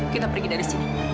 kita pergi dari sini